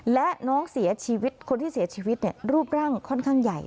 และน้องเสียชีวิตคนที่เสียชีวิตรูปร่างค่อนข้างใหญ่